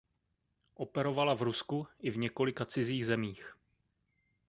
Operovala v Rusku i v několika cizích zemích.